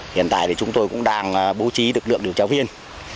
hiện tại thì chúng tôi cũng đang bố trí lực lượng điều tra viên